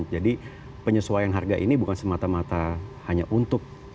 jadi penyesuaian harga ini bukan semata mata hanya untuk maskapai